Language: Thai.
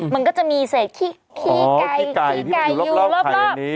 มันก็จะมีเศษขี้ไก่อยู่รอบ